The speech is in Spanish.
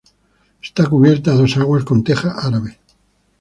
Está cubierta a dos aguas con teja árabe.